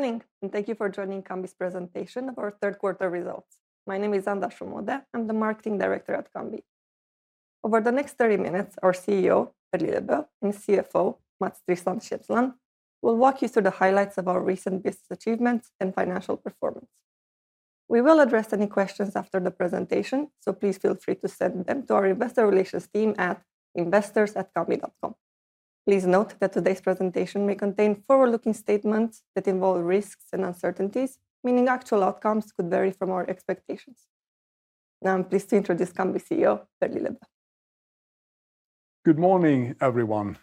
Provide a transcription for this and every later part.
Good morning, and thank you for joining Cambi's presentation of our third quarter results. My name is Anda Somodea, and I'm the Marketing Director at Cambi. Over the next 30 minutes, our CEO, Per Lillebø, and CFO, Mats Tristan Tjemsland, will walk you through the highlights of our recent business achievements and financial performance. We will address any questions after the presentation, so please feel free to send them to our Investor Relations team at investors@cambi.com. Please note that today's presentation may contain forward-looking statements that involve risks and uncertainties, meaning actual outcomes could vary from our expectations. Now, I'm pleased to introduce Cambi's CEO, Per Lillebø. Good morning, everyone.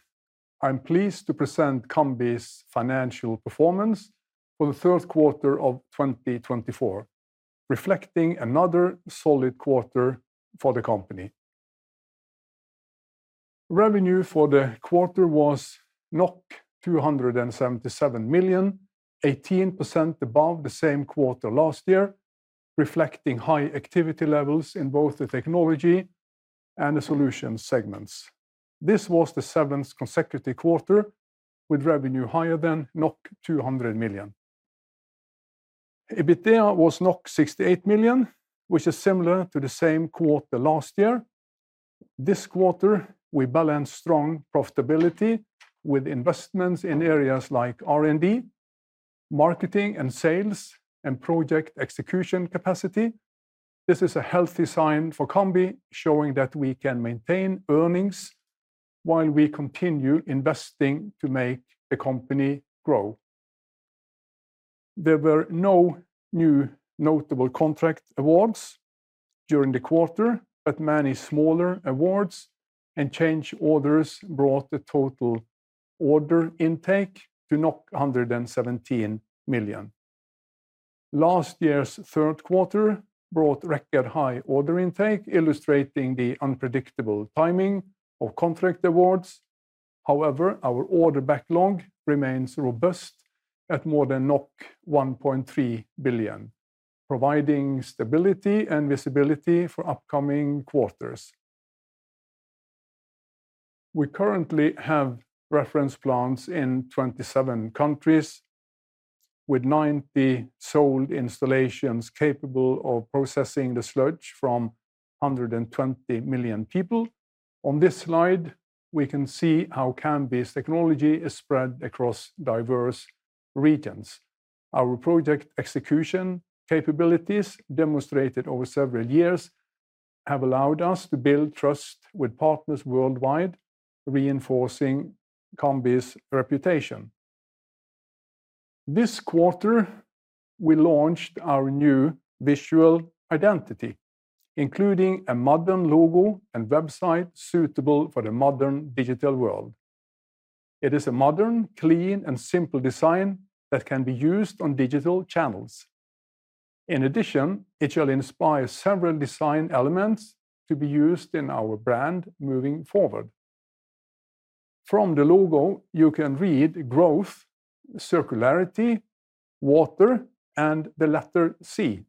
I'm pleased to present Cambi's financial performance for the third quarter of 2024, reflecting another solid quarter for the company. Revenue for the quarter was 277 million, 18% above the same quarter last year, reflecting high activity levels in both the technology and the solution segments. This was the seventh consecutive quarter with revenue higher than 200 million. EBITDA was 68 million, which is similar to the same quarter last year. This quarter, we balanced strong profitability with investments in areas like R&D, marketing and sales, and project execution capacity. This is a healthy sign for Cambi, showing that we can maintain earnings while we continue investing to make the company grow. There were no new notable contract awards during the quarter, but many smaller awards and change orders brought the total order intake to 117 million. Last year's third quarter brought record high order intake, illustrating the unpredictable timing of contract awards. However, our order backlog remains robust at more than 1.3 billion, providing stability and visibility for upcoming quarters. We currently have reference plants in 27 countries, with 90 sold installations capable of processing the sludge from 120 million people. On this slide, we can see how Cambi's technology is spread across diverse regions. Our project execution capabilities, demonstrated over several years, have allowed us to build trust with partners worldwide, reinforcing Cambi's reputation. This quarter, we launched our new visual identity, including a modern logo and website suitable for the modern digital world. It is a modern, clean, and simple design that can be used on digital channels. In addition, it shall inspire several design elements to be used in our brand moving forward. From the logo, you can read growth, circularity, water, and the letter C.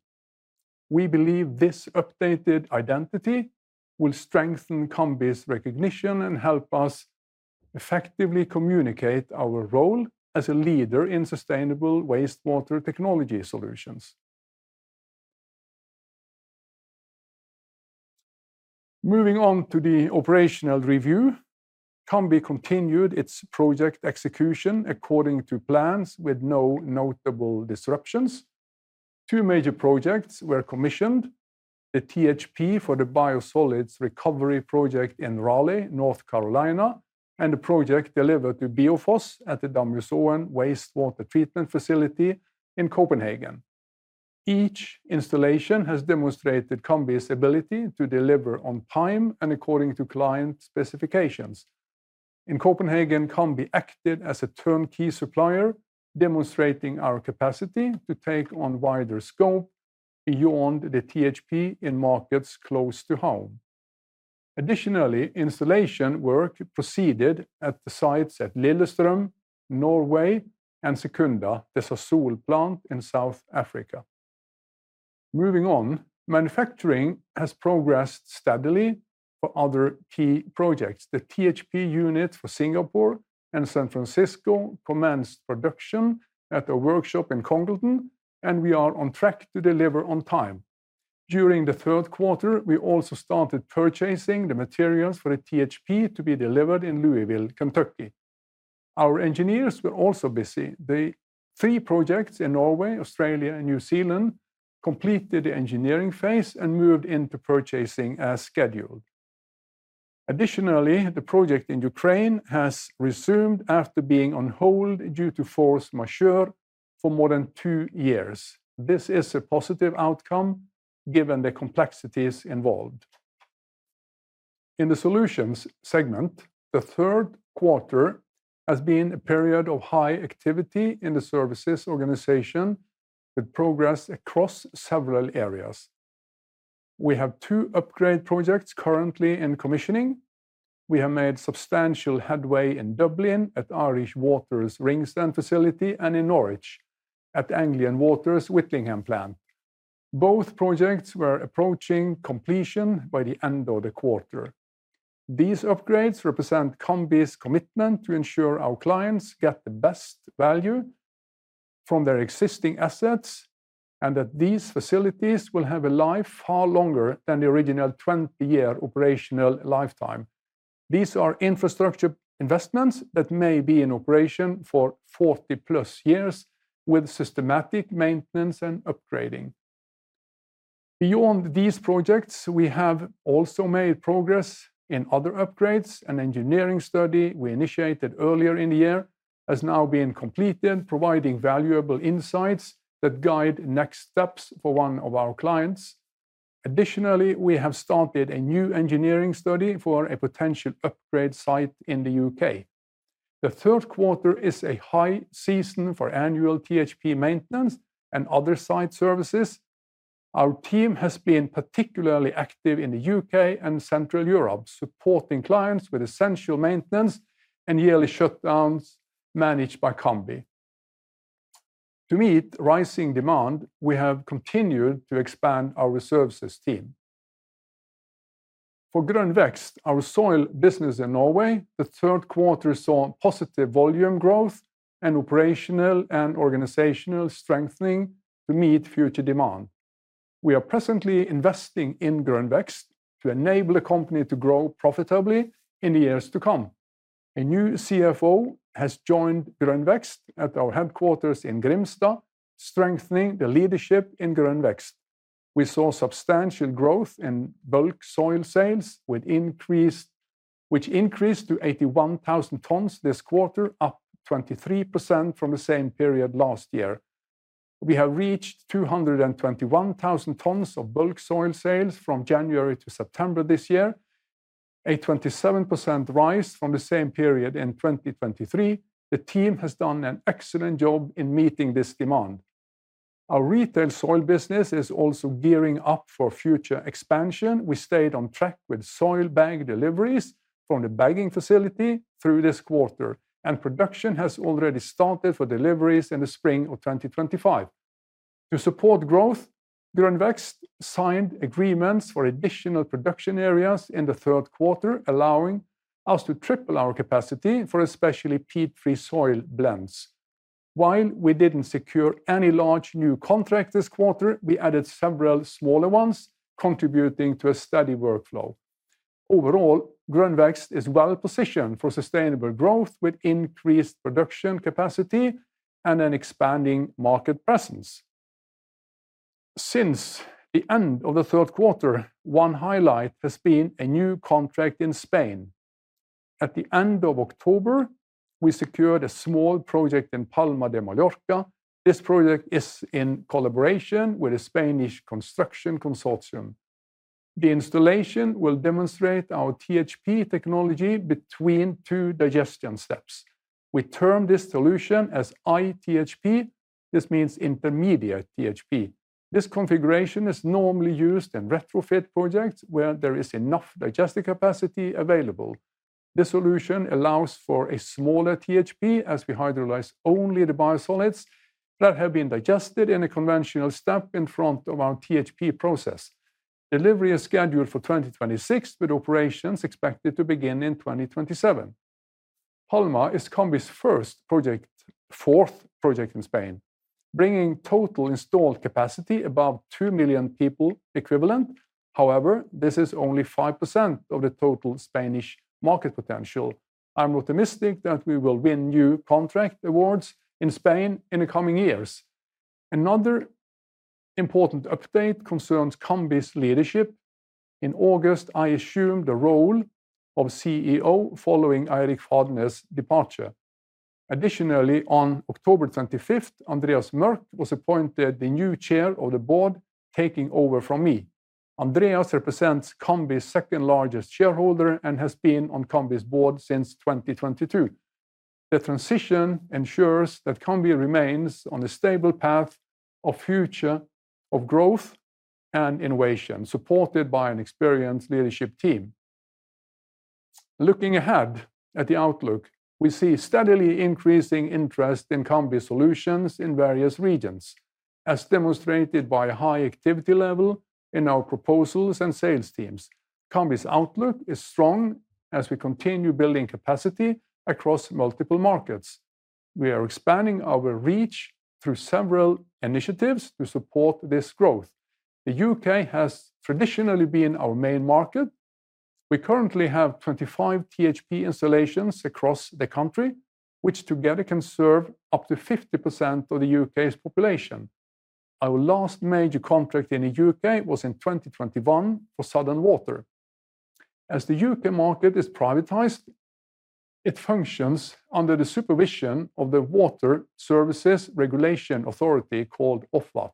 We believe this updated identity will strengthen Cambi's recognition and help us effectively communicate our role as a leader in sustainable wastewater technology solutions. Moving on to the operational review, Cambi continued its project execution according to plans with no notable disruptions. Two major projects were commissioned: the THP for the biosolids recovery project in Raleigh, North Carolina, and the project delivered to BIOFOS at the Damhusåen Wastewater Treatment Facility in Copenhagen. Each installation has demonstrated Cambi's ability to deliver on time and according to client specifications. In Copenhagen, Cambi acted as a turnkey supplier, demonstrating our capacity to take on wider scope beyond the THP in markets close to home. Additionally, installation work proceeded at the sites at Lillestrøm, Norway, and Secunda, the Sasol plant in South Africa. Moving on, manufacturing has progressed steadily for other key projects. The THP unit for Singapore and San Francisco commenced production at a workshop in Congleton, and we are on track to deliver on time. During the third quarter, we also started purchasing the materials for the THP to be delivered in Louisville, Kentucky. Our engineers were also busy. The three projects in Norway, Australia, and New Zealand completed the engineering phase and moved into purchasing as scheduled. Additionally, the project in Ukraine has resumed after being on hold due to force majeure for more than two years. This is a positive outcome given the complexities involved. In the solutions segment, the third quarter has been a period of high activity in the services organization, with progress across several areas. We have two upgrade projects currently in commissioning. We have made substantial headway in Dublin at Irish Water's Ringsend facility and in Norwich at Anglian Water's Whitlingham plant. Both projects were approaching completion by the end of the quarter. These upgrades represent Cambi's commitment to ensure our clients get the best value from their existing assets and that these facilities will have a life far longer than the original 20-year operational lifetime. These are infrastructure investments that may be in operation for 40 plus years with systematic maintenance and upgrading. Beyond these projects, we have also made progress in other upgrades. An engineering study we initiated earlier in the year has now been completed, providing valuable insights that guide next steps for one of our clients. Additionally, we have started a new engineering study for a potential upgrade site in the U.K. The third quarter is a high season for annual THP maintenance and other site services. Our team has been particularly active in the U.K. and Central Europe, supporting clients with essential maintenance and yearly shutdowns managed by Cambi. To meet rising demand, we have continued to expand our resources team. For Grønn Vekst, our soil business in Norway, the third quarter saw positive volume growth and operational and organizational strengthening to meet future demand. We are presently investing in Grønn Vekst to enable the company to grow profitably in the years to come. A new CFO has joined Grønn Vekst at our headquarters in Grimstad, strengthening the leadership in Grønn Vekst. We saw substantial growth in bulk soil sales, which increased to 81,000 tons this quarter, up 23% from the same period last year. We have reached 221,000 tons of bulk soil sales from January to September this year, a 27% rise from the same period in 2023. The team has done an excellent job in meeting this demand. Our retail soil business is also gearing up for future expansion. We stayed on track with soil bag deliveries from the bagging facility through this quarter, and production has already started for deliveries in the spring of 2025. To support growth, Grønn Vekst signed agreements for additional production areas in the third quarter, allowing us to triple our capacity for especially peat-free soil blends. While we didn't secure any large new contracts this quarter, we added several smaller ones, contributing to a steady workflow. Overall, Grønn Vekst is well positioned for sustainable growth with increased production capacity and an expanding market presence. Since the end of the third quarter, one highlight has been a new contract in Spain. At the end of October, we secured a small project in Palma de Mallorca. This project is in collaboration with a Spanish construction consortium. The installation will demonstrate our THP technology between two digestion steps. We term this solution as iTHP. This means intermediate THP. This configuration is normally used in retrofit projects where there is enough digestive capacity available. This solution allows for a smaller THP as we hydrolyze only the biosolids that have been digested in a conventional step in front of our THP process. Delivery is scheduled for 2026, with operations expected to begin in 2027. Palma is Cambi's fourth project in Spain, bringing total installed capacity above 2 million people equivalent. However, this is only 5% of the total Spanish market potential. I'm optimistic that we will win new contract awards in Spain in the coming years. Another important update concerns Cambi's leadership. In August, I assumed the role of CEO following Eirik Fadnes' departure. Additionally, on October 25th, Andreas Mørk was appointed the new chair of the board, taking over from me. Andreas represents Cambi's second largest shareholder and has been on Cambi's board since 2022. The transition ensures that Cambi remains on a stable path of future growth and innovation, supported by an experienced leadership team. Looking ahead at the outlook, we see steadily increasing interest in Cambi solutions in various regions, as demonstrated by a high activity level in our proposals and sales teams. Cambi's outlook is strong as we continue building capacity across multiple markets. We are expanding our reach through several initiatives to support this growth. The U.K. has traditionally been our main market. We currently have 25 THP installations across the country, which together can serve up to 50% of the U.K.'s population. Our last major contract in the U.K. was in 2021 for Southern Water. As the U.K. market is privatized, it functions under the supervision of the Water Services Regulation Authority called Ofwat.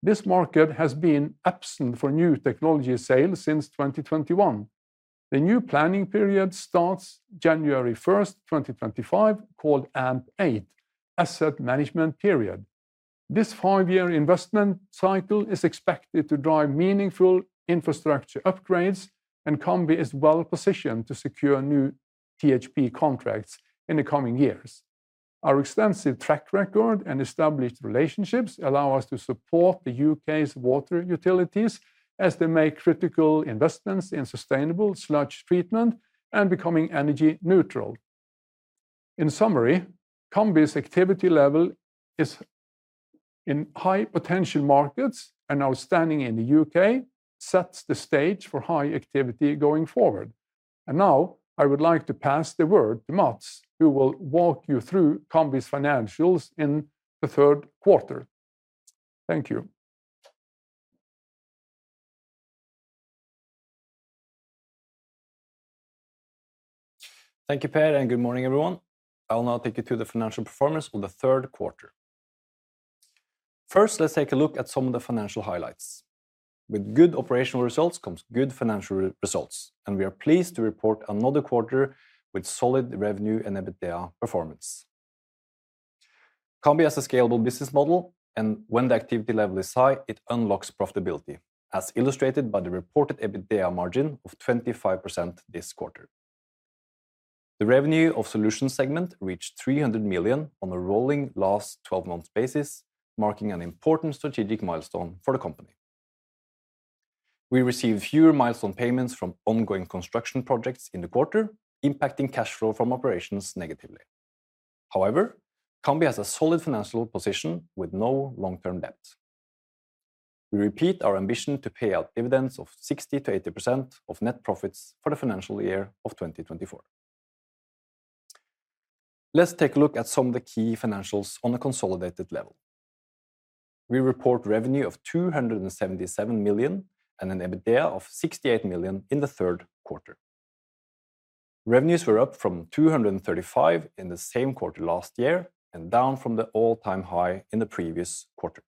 This market has been absent for new technology sales since 2021. The new planning period starts January 1st, 2025, called AMP8, Asset Management Period. This five-year investment cycle is expected to drive meaningful infrastructure upgrades, and Cambi is well positioned to secure new THP contracts in the coming years. Our extensive track record and established relationships allow us to support the U.K's water utilities as they make critical investments in sustainable sludge treatment and becoming energy neutral. In summary, Cambi's activity level is in high potential markets and outstanding in the U.K., sets the stage for high activity going forward, and now I would like to pass the word to Mats, who will walk you through Cambi's financials in the third quarter. Thank you. Thank you, Per, and good morning, everyone. I'll now take you to the financial performance of the third quarter. First, let's take a look at some of the financial highlights. With good operational results comes good financial results, and we are pleased to report another quarter with solid revenue and EBITDA performance. Cambi has a scalable business model, and when the activity level is high, it unlocks profitability, as illustrated by the reported EBITDA margin of 25% this quarter. The revenue of the solutions segment reached 300 million on a rolling last 12 months basis, marking an important strategic milestone for the company. We received fewer milestone payments from ongoing construction projects in the quarter, impacting cash flow from operations negatively. However, Cambi has a solid financial position with no long-term debt. We repeat our ambition to pay out dividends of 60%-80% of net profits for the financial year of 2024. Let's take a look at some of the key financials on a consolidated level. We report revenue of 277 million and an EBITDA of 68 million in the third quarter. Revenues were up from 235 million in the same quarter last year and down from the all-time high in the previous quarter.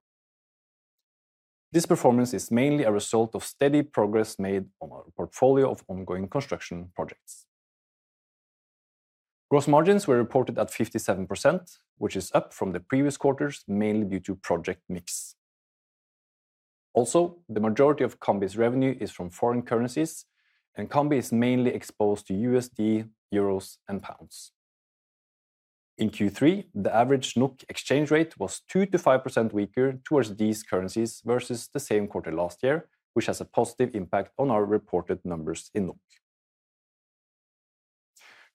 This performance is mainly a result of steady progress made on our portfolio of ongoing construction projects. Gross margins were reported at 57%, which is up from the previous quarters, mainly due to project mix. Also, the majority of Cambi's revenue is from foreign currencies, and Cambi is mainly exposed to USD, EUR, and GBP. In Q3, the average NOK exchange rate was 2%-5% weaker towards these currencies versus the same quarter last year, which has a positive impact on our reported numbers in NOK.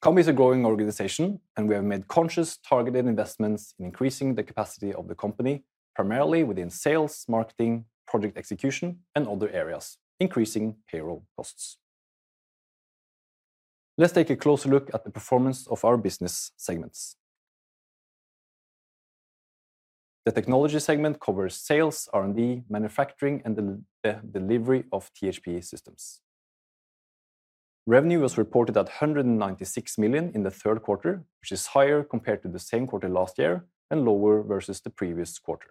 Cambi is a growing organization, and we have made conscious targeted investments in increasing the capacity of the company, primarily within sales, marketing, project execution, and other areas, increasing payroll costs. Let's take a closer look at the performance of our business segments. The technology segment covers sales, R&D, manufacturing, and the delivery of THP systems. Revenue was reported at 196 million in the third quarter, which is higher compared to the same quarter last year and lower versus the previous quarter.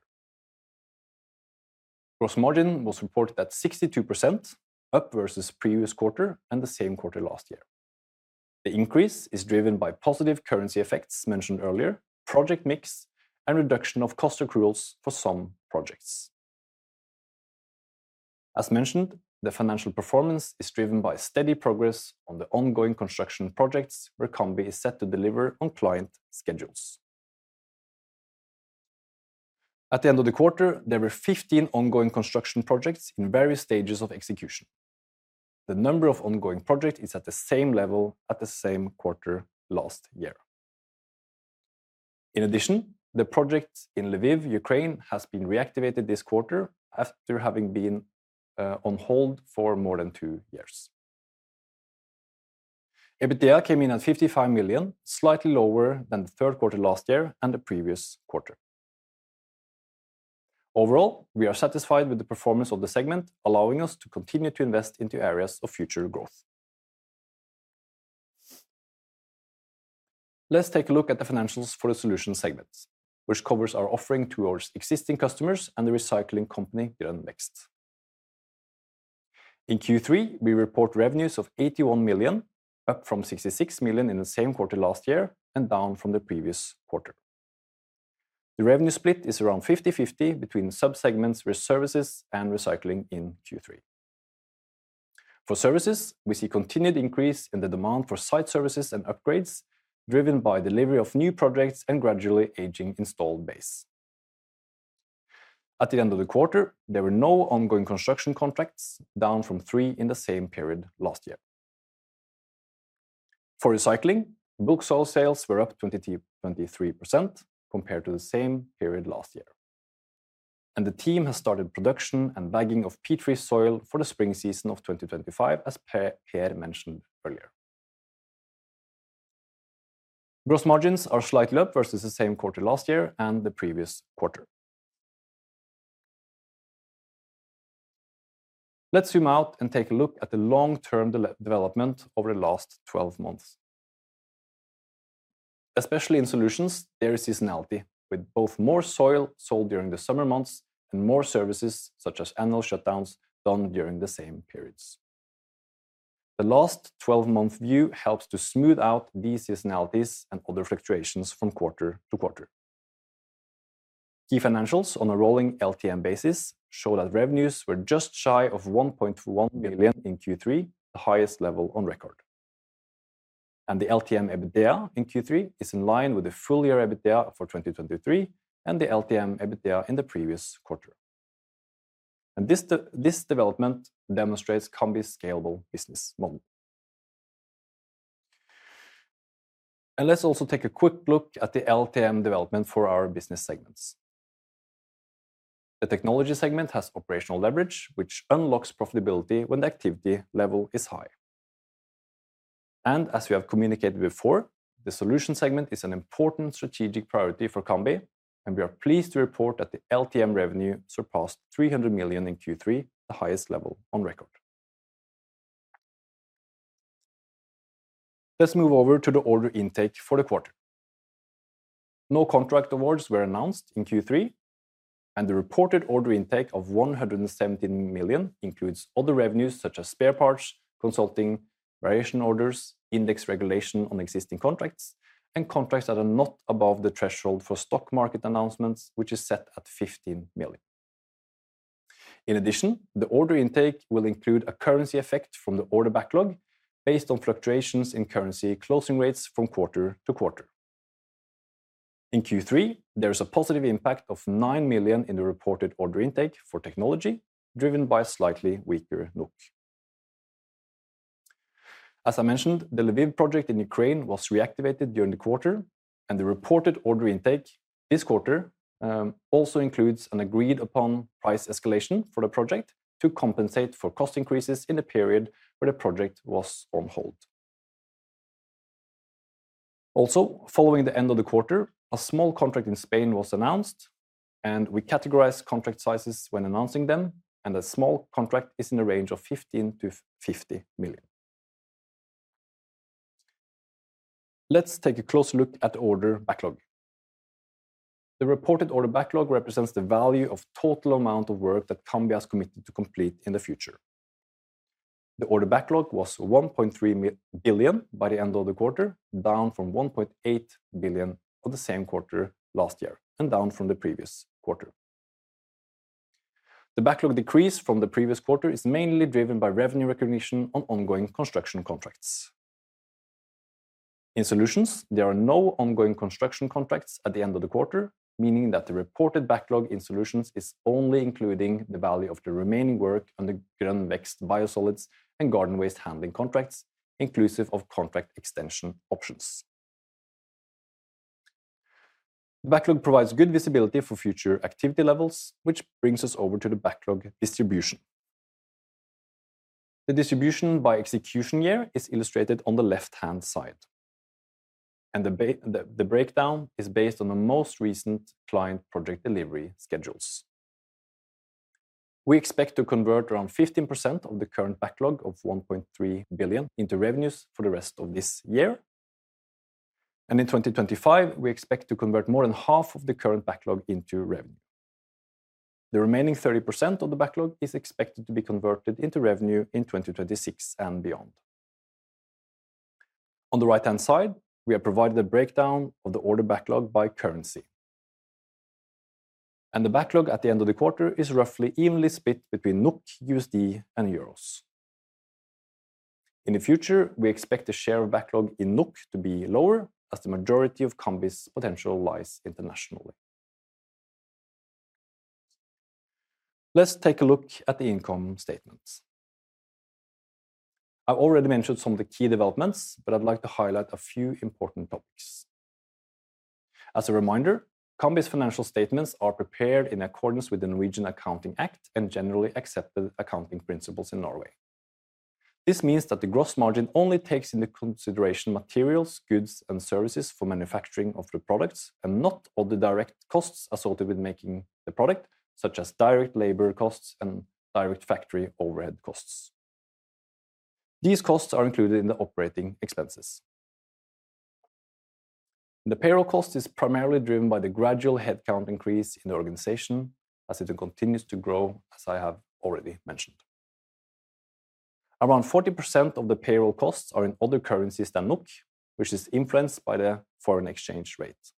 Gross margin was reported at 62%, up versus the previous quarter and the same quarter last year. The increase is driven by positive currency effects mentioned earlier, project mix, and reduction of cost accruals for some projects. As mentioned, the financial performance is driven by steady progress on the ongoing construction projects where Cambi is set to deliver on client schedules. At the end of the quarter, there were 15 ongoing construction projects in various stages of execution. The number of ongoing projects is at the same level as the same quarter last year. In addition, the project in Lviv, Ukraine, has been reactivated this quarter after having been on hold for more than two years. EBITDA came in at 55 million, slightly lower than the third quarter last year and the previous quarter. Overall, we are satisfied with the performance of the segment, allowing us to continue to invest into areas of future growth. Let's take a look at the financials for the solution segments, which covers our offering to our existing customers and the recycling company Grønn Vekst. In Q3, we report revenues of 81 million, up from 66 million in the same quarter last year and down from the previous quarter. The revenue split is around 50/50 between subsegments with services and recycling in Q3. For services, we see continued increase in the demand for site services and upgrades, driven by delivery of new projects and gradually aging installed base. At the end of the quarter, there were no ongoing construction contracts, down from three in the same period last year. For recycling, bulk soil sales were up 23% compared to the same period last year, and the team has started production and bagging of peat-free soil for the spring season of 2025, as Per mentioned earlier. Gross margins are slightly up versus the same quarter last year and the previous quarter. Let's zoom out and take a look at the long-term development over the last 12 months. Especially in solutions, there is seasonality, with both more soil sold during the summer months and more services, such as annual shutdowns, done during the same periods. The last 12-month view helps to smooth out these seasonalities and other fluctuations from quarter to quarter. Key financials on a rolling LTM basis show that revenues were just shy of 1.1 million in Q3, the highest level on record. And the LTM EBITDA in Q3 is in line with the full-year EBITDA for 2023 and the LTM EBITDA in the previous quarter. And this development demonstrates Cambi's scalable business model. And let's also take a quick look at the LTM development for our business segments. The technology segment has operational leverage, which unlocks profitability when the activity level is high. As we have communicated before, the solution segment is an important strategic priority for Cambi, and we are pleased to report that the LTM revenue surpassed 300 million in Q3, the highest level on record. Let's move over to the order intake for the quarter. No contract awards were announced in Q3, and the reported order intake of 117 million includes other revenues such as spare parts, consulting, variation orders, index regulation on existing contracts, and contracts that are not above the threshold for stock market announcements, which is set at 15 million. In addition, the order intake will include a currency effect from the order backlog based on fluctuations in currency closing rates from quarter to quarter. In Q3, there is a positive impact of 9 million in the reported order intake for technology, driven by a slightly weaker NOK. As I mentioned, the Lviv project in Ukraine was reactivated during the quarter, and the reported order intake this quarter also includes an agreed-upon price escalation for the project to compensate for cost increases in the period where the project was on hold. Also, following the end of the quarter, a small contract in Spain was announced, and we categorize contract sizes when announcing them, and a small contract is in the range of 15-50 million. Let's take a closer look at the order backlog. The reported order backlog represents the value of the total amount of work that Cambi has committed to complete in the future. The order backlog was 1.3 billion by the end of the quarter, down from 1.8 billion for the same quarter last year and down from the previous quarter. The backlog decrease from the previous quarter is mainly driven by revenue recognition on ongoing construction contracts. In solutions, there are no ongoing construction contracts at the end of the quarter, meaning that the reported backlog in solutions is only including the value of the remaining work under Grønn Vekst biosolids and garden waste handling contracts, inclusive of contract extension options. The backlog provides good visibility for future activity levels, which brings us over to the backlog distribution. The distribution by execution year is illustrated on the left-hand side, and the breakdown is based on the most recent client project delivery schedules. We expect to convert around 15% of the current backlog of 1.3 billion NOK into revenues for the rest of this year. And in 2025, we expect to convert more than half of the current backlog into revenue. The remaining 30% of the backlog is expected to be converted into revenue in 2026 and beyond. On the right-hand side, we have provided a breakdown of the order backlog by currency. The backlog at the end of the quarter is roughly evenly split between NOK, USD, and euros. In the future, we expect the share of backlog in NOK to be lower, as the majority of Cambi's potential lies internationally. Let's take a look at the income statements. I've already mentioned some of the key developments, but I'd like to highlight a few important topics. As a reminder, Cambi's financial statements are prepared in accordance with the Norwegian Accounting Act and generally accepted accounting principles in Norway. This means that the gross margin only takes into consideration materials, goods, and services for manufacturing of the products and not all the direct costs associated with making the product, such as direct labor costs and direct factory overhead costs. These costs are included in the operating expenses. The payroll cost is primarily driven by the gradual headcount increase in the organization, as it continues to grow, as I have already mentioned. Around 40% of the payroll costs are in other currencies than NOK, which is influenced by the foreign exchange rate.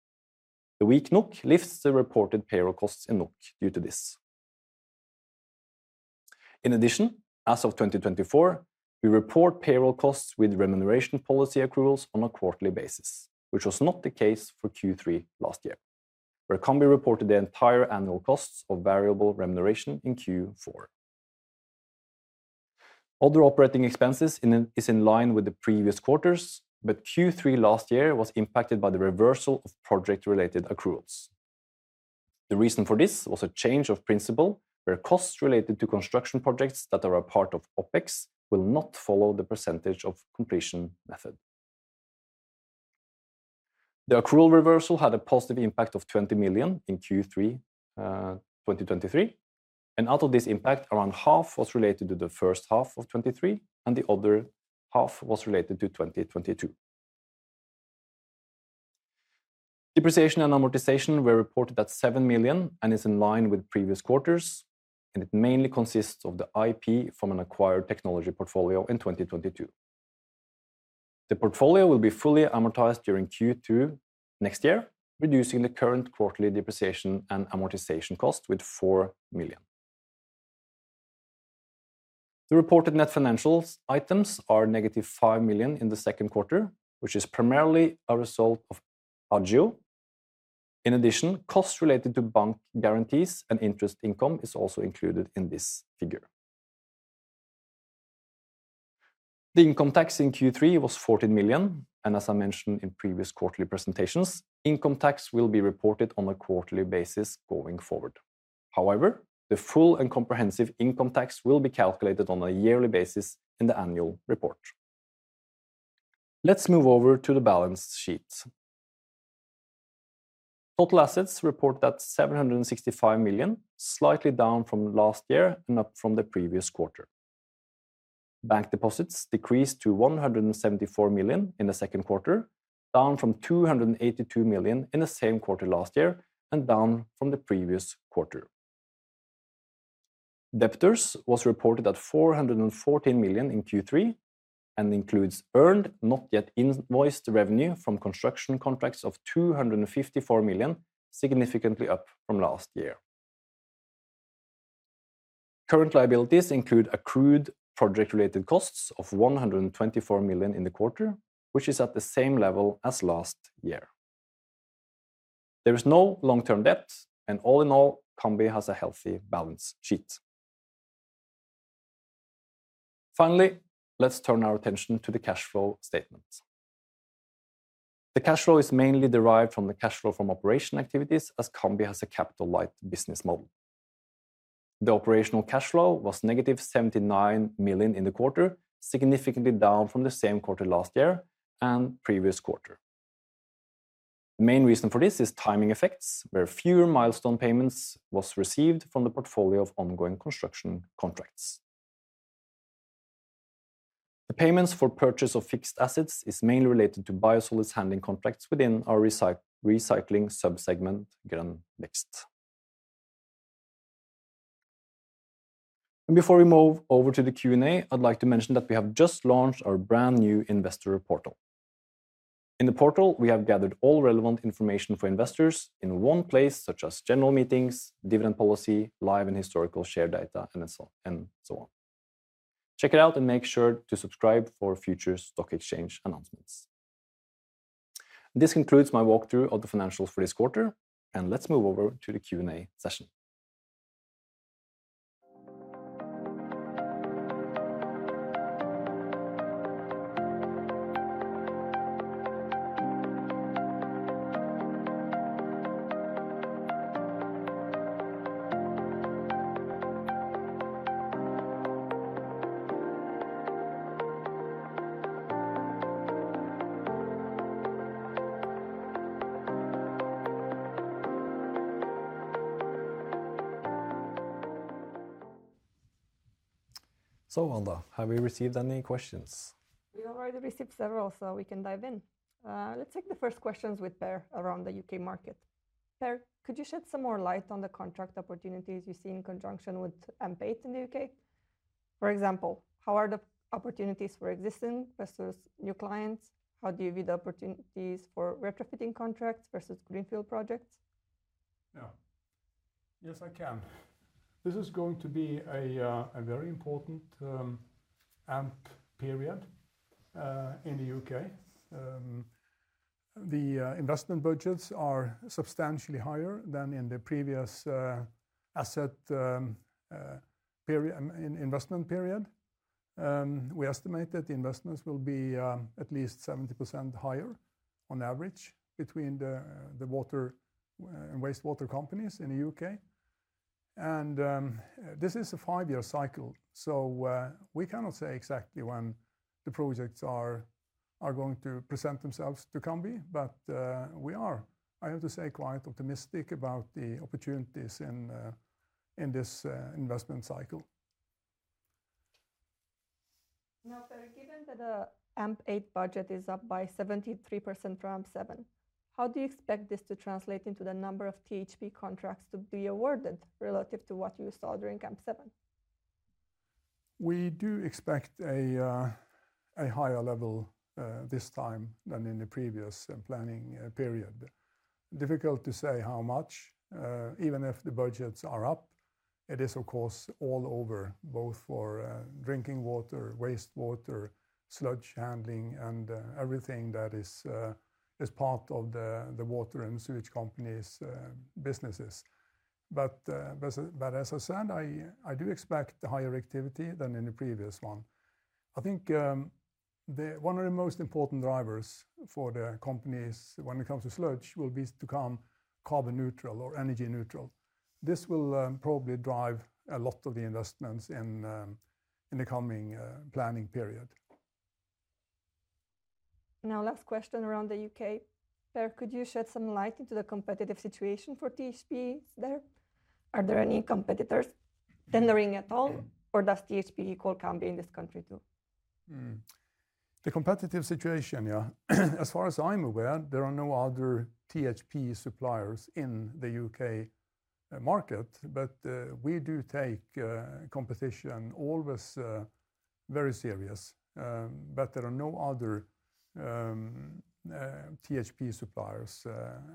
The weak NOK lifts the reported payroll costs in NOK due to this. In addition, as of 2024, we report payroll costs with remuneration policy accruals on a quarterly basis, which was not the case for Q3 last year, where Cambi reported the entire annual costs of variable remuneration in Q4. Other operating expenses are in line with the previous quarters, but Q3 last year was impacted by the reversal of project-related accruals. The reason for this was a change of principle, where costs related to construction projects that are a part of OpEx will not follow the percentage of completion method. The accrual reversal had a positive impact of 20 million in Q3 2023, and out of this impact, around half was related to the first half of 2023, and the other half was related to 2022. Depreciation and amortization were reported at 7 million and are in line with previous quarters, and it mainly consists of the IP from an acquired technology portfolio in 2022. The portfolio will be fully amortized during Q2 next year, reducing the current quarterly depreciation and amortization cost with 4 million. The reported net financials items are negative 5 million in the second quarter, which is primarily a result of Agio. In addition, costs related to bank guarantees and interest income are also included in this figure. The income tax in Q3 was 14 million, and as I mentioned in previous quarterly presentations, income tax will be reported on a quarterly basis going forward. However, the full and comprehensive income tax will be calculated on a yearly basis in the annual report. Let's move over to the balance sheet. Total assets report at 765 million, slightly down from last year and up from the previous quarter. Bank deposits decreased to 174 million in the second quarter, down from 282 million in the same quarter last year and down from the previous quarter. Debtors were reported at 414 million in Q3 and include earned not yet invoiced revenue from construction contracts of 254 million, significantly up from last year. Current liabilities include accrued project-related costs of 124 million in the quarter, which is at the same level as last year. There is no long-term debt, and all in all, Cambi has a healthy balance sheet. Finally, let's turn our attention to the cash flow statements. The cash flow is mainly derived from the cash flow from operation activities, as Cambi has a capital-light business model. The operational cash flow was negative 79 million in the quarter, significantly down from the same quarter last year and previous quarter. The main reason for this is timing effects, where fewer milestone payments were received from the portfolio of ongoing construction contracts. The payments for purchase of fixed assets are mainly related to biosolids handling contracts within our recycling subsegment, Grønn Vekst. Before we move over to the Q&A, I'd like to mention that we have just launched our brand new investor portal. In the portal, we have gathered all relevant information for investors in one place, such as general meetings, dividend policy, live and historical share data, and so on. Check it out and make sure to subscribe for future stock exchange announcements. This concludes my walkthrough of the financials for this quarter, and let's move over to the Q&A session. So, Anda, have we received any questions? We already received several, so we can dive in. Let's take the first questions with Per around the U.K. market. Per, could you shed some more light on the contract opportunities you see in conjunction with AMP8 in the U.K? For example, how are the opportunities for existing versus new clients? How do you view the opportunities for retrofitting contracts versus greenfield projects? Yes, I can. This is going to be a very important AMP period in the U.K. The investment budgets are substantially higher than in the previous asset investment period. We estimate that the investments will be at least 70% higher on average between the water and wastewater companies in the U.K. And this is a five-year cycle, so we cannot say exactly when the projects are going to present themselves to Cambi, but we are, I have to say, quite optimistic about the opportunities in this investment cycle. Now, Per, given that the AMP8 budget is up by 73% from AMP7, how do you expect this to translate into the number of THP contracts to be awarded relative to what you saw during AMP7? We do expect a higher level this time than in the previous planning period. Difficult to say how much. Even if the budgets are up, it is, of course, all over, both for drinking water, wastewater, sludge handling, and everything that is part of the water and sewage companies' businesses. But as I said, I do expect higher activity than in the previous one. I think one of the most important drivers for the companies when it comes to sludge will be to become carbon neutral or energy neutral. This will probably drive a lot of the investments in the coming planning period. Now, last question around the U.K. Per, could you shed some light into the competitive situation for THP there? Are there any competitors tendering at all, or does THP equal Cambi in this country too? The competitive situation, yeah. As far as I'm aware, there are no other THP suppliers in the U.K. market, but we do take competition always very seriously, but there are no other THP suppliers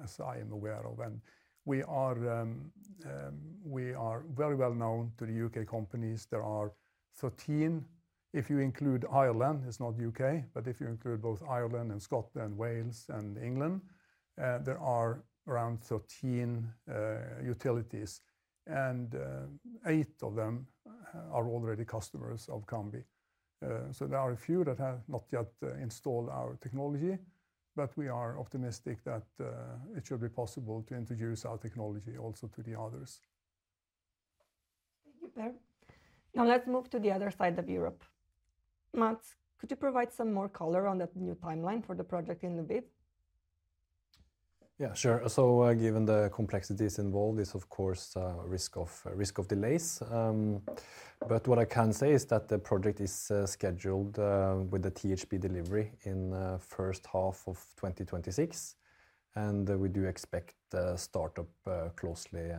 as I am aware of, and we are very well known to the U.K. companies. There are 13, if you include Ireland, it's not U.K., but if you include both Ireland and Scotland and Wales and England, there are around 13 utilities, and eight of them are already customers of Cambi. So there are a few that have not yet installed our technology, but we are optimistic that it should be possible to introduce our technology also to the others. Thank you, Per. Now, let's move to the other side of Europe. Mats, could you provide some more color on that new timeline for the project in Lviv? Yeah, sure. Given the complexities involved, there's of course a risk of delays. But what I can say is that the project is scheduled with the THP delivery in the first half of 2026, and we do expect to start up closely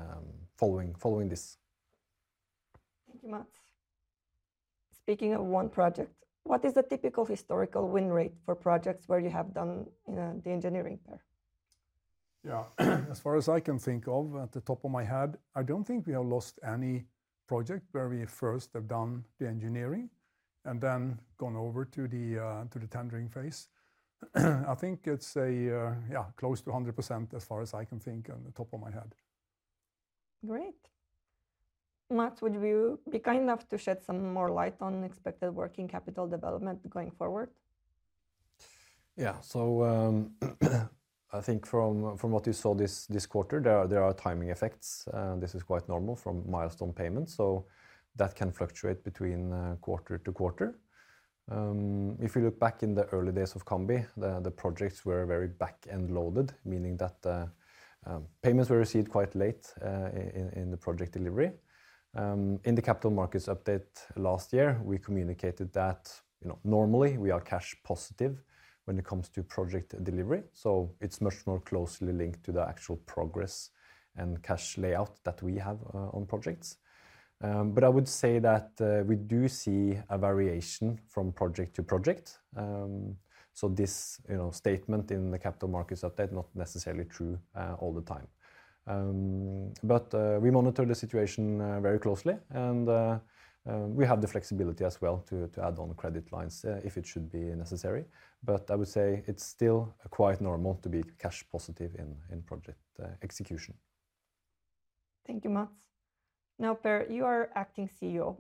following this. Thank you, Mats. Speaking of one project, what is the typical historical win rate for projects where you have done the engineering, Per? Yeah, as far as I can think of at the top of my head, I don't think we have lost any project where we first have done the engineering and then gone over to the tendering phase. I think it's close to 100% as far as I can think on the top of my head. Great. Mats, would you be kind enough to shed some more light on expected working capital development going forward? Yeah, so I think from what you saw this quarter, there are timing effects. This is quite normal from milestone payments, so that can fluctuate between quarter to quarter. If you look back in the early days of Cambi, the projects were very back-end loaded, meaning that payments were received quite late in the project delivery. In the capital markets update last year, we communicated that normally we are cash positive when it comes to project delivery, so it's much more closely linked to the actual progress and cash outlay that we have on projects. But I would say that we do see a variation from project to project. So this statement in the capital markets update is not necessarily true all the time. But we monitor the situation very closely, and we have the flexibility as well to add on credit lines if it should be necessary. But I would say it's still quite normal to be cash positive in project execution. Thank you, Mats. Now, Per, you are acting CEO.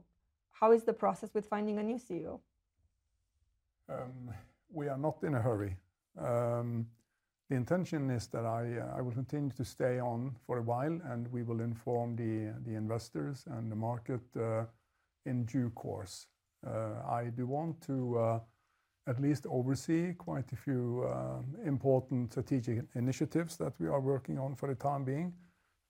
How is the process with finding a new CEO? We are not in a hurry. The intention is that I will continue to stay on for a while, and we will inform the investors and the market in due course. I do want to at least oversee quite a few important strategic initiatives that we are working on for the time being,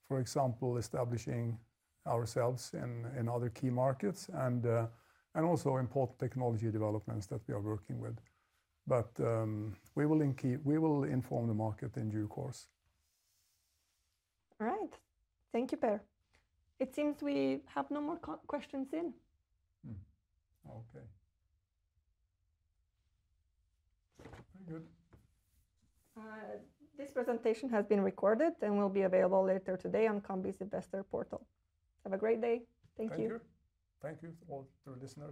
for example, establishing ourselves in other key markets and also important technology developments that we are working with. But we will inform the market in due course. All right. Thank you, Per. It seems we have no more questions in. Okay. This presentation has been recorded and will be available later today on Cambi's investor portal. Have a great day. Thank you. Thank you. Thank you all to listeners.